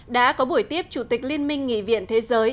đã có buổi tiếp chủ tịch liên minh nghị viện thế giới